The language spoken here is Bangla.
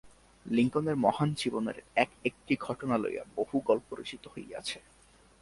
লিঙ্কনের মহান জীবনের এক-একটি ঘটনা লইয়া বহু গল্প রচিত হইয়াছে।